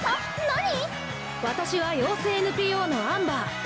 なに⁉わたしは妖精ＮＰＯのアンバー。